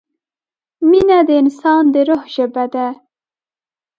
مینه د انسان د روح ژبه ده.